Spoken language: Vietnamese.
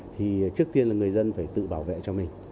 thì trước tiên là người dân phải tự bảo vệ cho mình